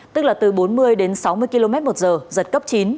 tức là từ bốn mươi đến sáu mươi km một giờ giật cấp chín